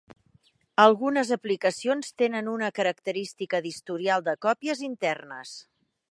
Algunes aplicacions tenen una característica d'historial de còpies internes.